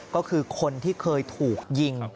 ก็คือคนที่เคยถูกยิง